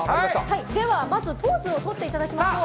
ではまずはポーズをとっていただきましょう。